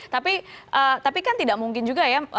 tapi tapi kan tidak mungkin juga ya